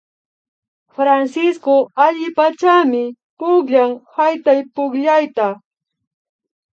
Francisco allipachami pukllan haytaypukllayta